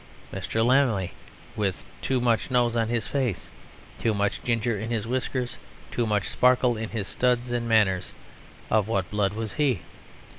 Mr. Lammle, with "too much nose in his face, too much ginger in his whiskers, too much sparkle in his studs and manners" of what blood was he?